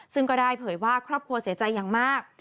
ซึ่งก็ได้เผยว่าครอบครัวเสียใจอย่างมาก